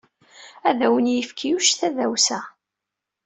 Ad awen-yefk Yuc tadawsa.